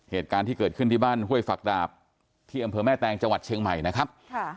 เหตุการณ์ที่เกิดขึ้นที่บ้านห้วยฝักดาบที่อำเภอแม่แตงจังหวัดเชียงใหม่นะครับ